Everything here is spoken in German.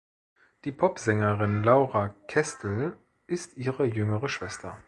Die Popsängerin Laura Kästel ist ihre jüngere Schwester.